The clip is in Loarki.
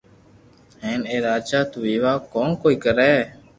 ھين اي راجا تو ويوا ڪون ڪوئي ڪري